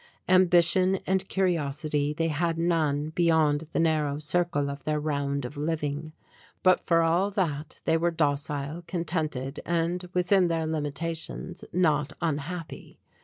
Ambition and curiosity they had none beyond the narrow circle of their round of living. But for all that they were docile, contented and, within their limitations, not unhappy.